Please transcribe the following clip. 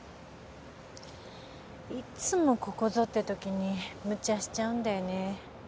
いっつもここぞってときに無茶しちゃうんだよね。